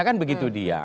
kan begitu dia